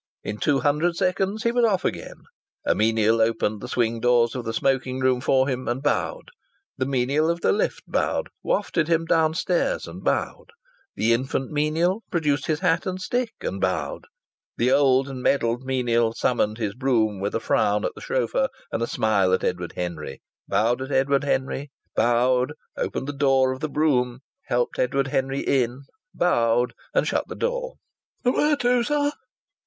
In two hundred seconds he was off again. A menial opened the swing doors of the smoking room for him and bowed. The menial of the lift bowed, wafted him downwards and bowed. The infant menial produced his hat and stick and bowed. The old and medalled menial summoned his brougham with a frown at the chauffeur and a smile at Edward Henry, bowed, opened the door of the brougham, helped Edward Henry in, bowed, and shut the door. "Where to, sir?"